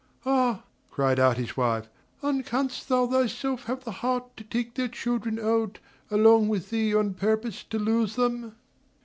"Ah!" cried out his wife, "and can'st thou thyself have the heart to take thy children out along with thee on purpose to lose them?"